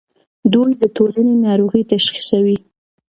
دوی د ټولنې ناروغۍ تشخیصوي.